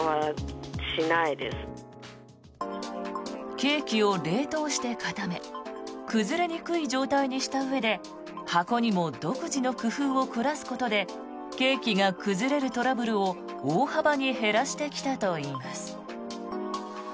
ケーキを冷凍して固め崩れにくい状態にしたうえで箱にも独自の工夫を凝らすことでケーキが崩れるトラブルを大幅に減らしてきたといいます。